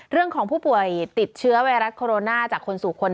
เรื่องของผู้ป่วยติดเชื้อไวรัสโคโรนาจากคนสู่คน